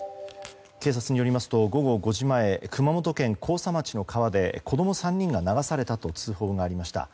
警察によりますと午後５時前熊本県甲佐町の川で子供３人が流されたと通報がありました。